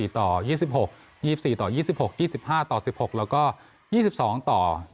ต่อ๒๖๒๔ต่อ๒๖๒๕ต่อ๑๖แล้วก็๒๒ต่อ